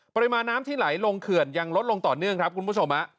ปริมาณน้ำที่ไหลลงเขื่อนยังลดลงต่อเนื่องครับคุณผู้ชม